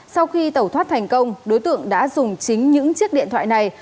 sau khi tẩu thoát thành công đối tượng đã dùng chính những chiếc điện thoại này